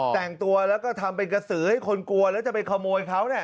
แต่งตัวแล้วก็ทำเป็นกระสือให้คนกลัวแล้วจะไปขโมยเขาเนี่ย